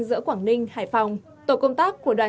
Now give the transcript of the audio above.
giữa quảng ninh hải phòng tổ công tác của đoàn